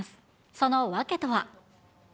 その訳とは。